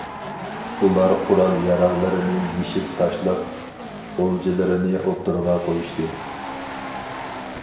ئۇلار قورال-ياراغلىرىنى يېشىپ تاشلاپ، ئولجىلىرىنى ئوتتۇرىغا قويۇشتى.